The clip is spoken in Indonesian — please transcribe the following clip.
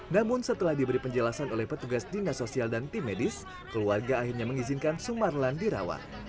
namun setelah diberi penjelasan oleh petugas dinas sosial dan tim medis keluarga akhirnya mengizinkan sumarlan dirawat